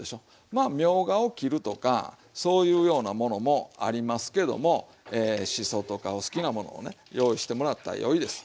まあみょうがを切るとかそういうようなものもありますけどもしそとかお好きなものをね用意してもらったら良いです。